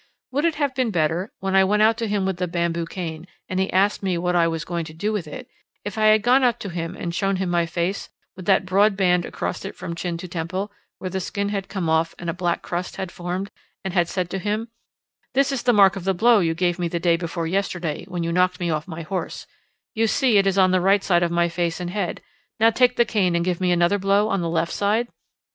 Would it have been better, when I went out to him with the bamboo cane, and he asked me what I was going to do with it, if I had gone up to him and shown him my face with that broad band across it from the chin to the temple, where the skin had come off and a black crust had formed, and had said to him: "This is the mark of the blow you gave me the day before yesterday, when you knocked me off my horse; you see it is on the right side of my face and head; now take the cane and give me another blow on the left side"?